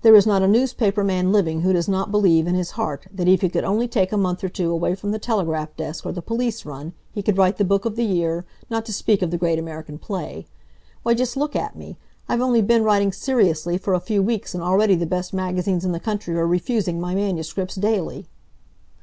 There is not a newspaper man living who does not believe, in his heart, that if he could only take a month or two away from the telegraph desk or the police run, he could write the book of the year, not to speak of the great American Play. Why, just look at me! I've only been writing seriously for a few weeks, and already the best magazines in the country are refusing my manuscripts daily."